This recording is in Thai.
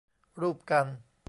รูปกัน